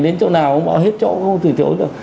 đến chỗ nào ông bỏ hết chỗ không từ chỗ được